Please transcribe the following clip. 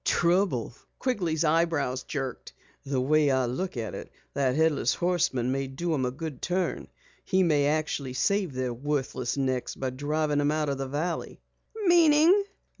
"Trouble?" Quigley's eyebrows jerked. "The way I look at it, that Headless Horseman may do 'em a good turn. He may actually save their worthless necks by driving them out of the valley." "Meaning?"